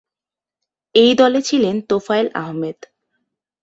এই দলে ছিলেন তোফায়েল আহমেদ।